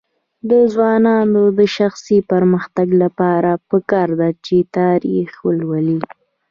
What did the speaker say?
د ځوانانو د شخصي پرمختګ لپاره پکار ده چې تاریخ ولولي.